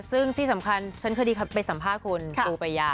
ซึ่งที่สำคัญฉันเคยไปสัมภาษณ์คุณปูปายา